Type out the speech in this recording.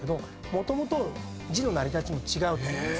もともと字の成り立ちも違うと。